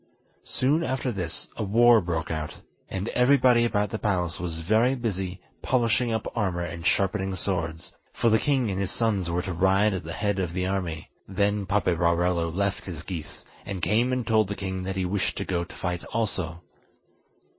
Soon after this a war broke out, and everybody about the palace was very busy polishing up armour and sharpening swords, for the king and his sons were to ride at the head of the army. Then Paperarello left his geese, and came and told the king that he wished to go to fight also.